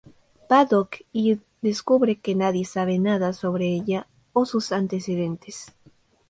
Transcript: Paddock y descubre que nadie sabe nada sobre ella o sus antecedentes.